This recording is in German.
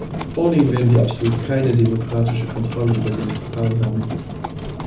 Ohne ihn werden wir absolut keine demokratische Kontrolle über diese Verfahren haben.